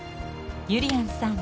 ゆりやんさん